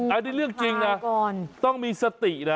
อันนี้เรื่องจริงนะต้องมีสตินะ